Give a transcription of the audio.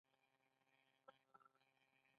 د کارګر د کار هر ساعت په متوسط ډول لس افغانۍ دی